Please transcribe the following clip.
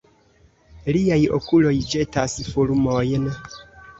Liaj okuloj ĵetas fulmojn!